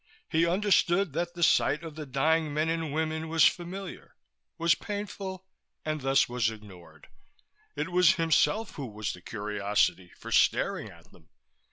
He understood that the sight of the dying men and women was familiar was painful and thus was ignored; it was himself who was the curiosity, for staring at them.